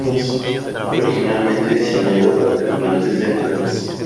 Fue originalmente diseñada para tripulantes de tanques.